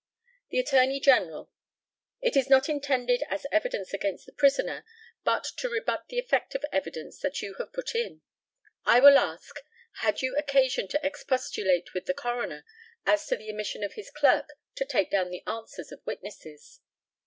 The ATTORNEY GENERAL: It is not intended as evidence against the prisoner, but to rebut the effect of evidence that you have put in. I will ask had you occasion to expostulate with the coroner as to the omission of his clerk to take down the answers of witnesses?